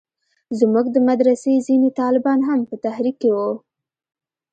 زموږ د مدرسې ځينې طالبان هم په تحريک کښې وو.